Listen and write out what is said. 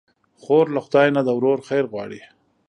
خور له خدای نه د ورور خیر غواړي.